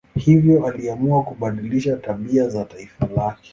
Hivyo aliamua kubadilisha tabia za taifa lake.